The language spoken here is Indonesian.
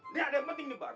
lihat deh penting nih bar